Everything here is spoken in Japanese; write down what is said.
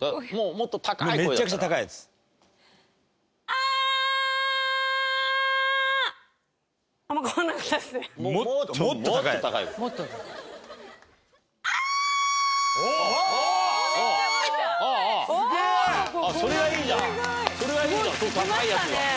もっと高いやつ。